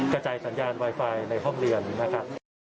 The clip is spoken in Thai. กระจายสัญญาณไวไฟในห้องเรียนนะครับ